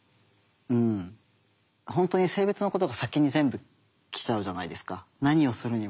本当に性別のことが先に全部来ちゃうじゃないですか何をするにも。